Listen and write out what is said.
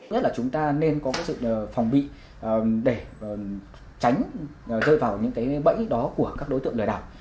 nhất là chúng ta nên có sự phòng bị để tránh rơi vào những bẫy đó của các đối tượng lời đảo